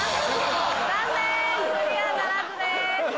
残念クリアならずです。